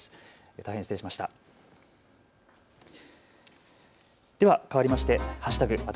大変、失礼しました。